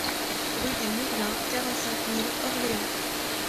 Rue des Murlins, quarante-cinq mille Orléans